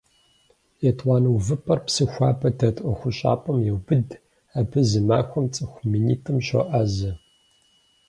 Етӏуанэ увыпӏэр Псыхуабэ дэт ӏуэхущӏапӏэм еубыд - абы зы махуэм цӏыху минитӏым щоӏэзэ.